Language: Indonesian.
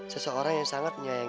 seseorang yang sangat menyayangi candy